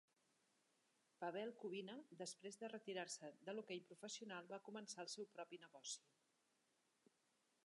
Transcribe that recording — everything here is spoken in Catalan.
Pavel Kubina, després de retirar-se de l'hoquei professional, va començar el seu propi negoci.